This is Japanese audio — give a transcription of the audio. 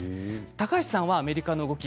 高橋さんはアメリカの動き